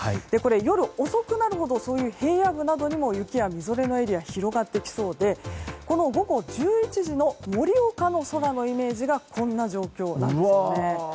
夜遅くなるほどそういう平野部などにも雪やみぞれのエリアが広がりそうで午後１１時の盛岡の空のイメージがこんな状況です。